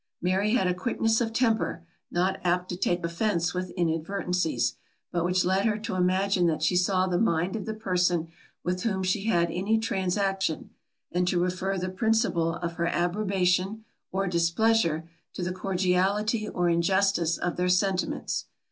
Mary had a quickness of temper, not apt to take offence with inadvertencies, but which led her to imagine that she saw the mind of the person with whom she had any transaction, and to refer the principle of her approbation or displeasure to the cordiality or injustice of their sentiments.